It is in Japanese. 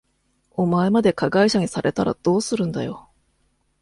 お前まで加害者にされたらどうするんだよ。